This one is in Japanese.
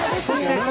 そして。